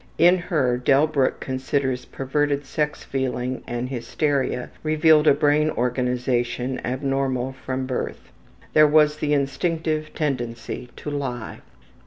In her, Delbruck considers perverted sex feeling and hysteria revealed a brain organization abnormal from birth. There was the instinctive tendency to lie.